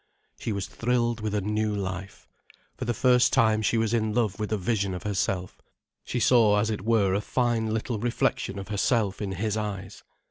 She was thrilled with a new life. For the first time she was in love with a vision of herself: she saw as it were a fine little reflection of herself in his eyes.